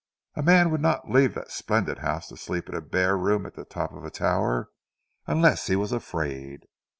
A man would not leave that splendid house to sleep in a bare room at the top of a tower unless he was afraid."